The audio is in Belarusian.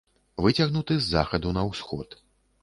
Выцягнуты з захаду на ўсход.